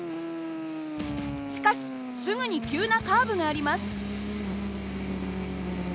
しかしすぐに急なカーブがあります。